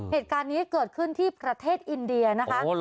เหตุการณ์นี้เกิดขึ้นที่ประเทศอินเดียนะคะ